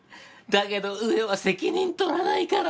だけど上は責任取らないから！